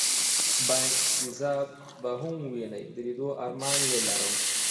باینیسیزا به هم ووینې، د لېدو ارمان یې لرم.